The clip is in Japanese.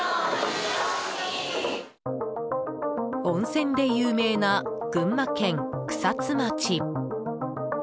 温泉で有名な群馬県草津町。